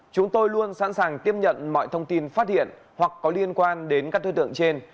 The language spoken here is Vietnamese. chúng tôi luôn sẵn sàng tiếp nhận mọi thông tin phát hiện hoặc có liên quan đến các đối tượng trên